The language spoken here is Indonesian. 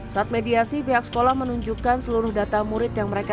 saat mediasi pihak sekolah menunjukkan seluruh data murid yang mereka